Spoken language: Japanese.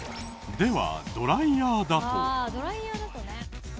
ではドライヤーだと。